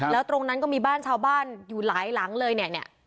แล้วตรงนั้นก็มีบ้านชาวบ้านอยู่หลายหลังเลยเนี่ย